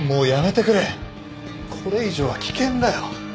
これ以上は危険だよ。